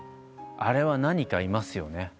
あれは何かいますよね。